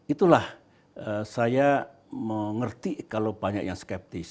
itulah saya mengerti kalau banyak yang skeptis